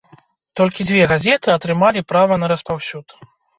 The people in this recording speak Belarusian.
Толькі дзве газеты атрымалі права на распаўсюд.